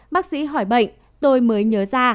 bác sĩ hỏi bệnh tôi mới nhớ ra